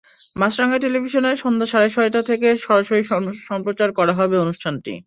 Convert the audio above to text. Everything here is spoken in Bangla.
মাছরাঙা টেলিভিশনে সন্ধ্যা সাড়ে ছয়টা থেকে সরাসরি সম্প্রচার করা হবে অনুষ্ঠানটি।